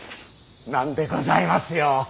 なんでございますよ。